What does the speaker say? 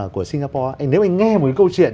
của singapore nếu anh nghe một câu chuyện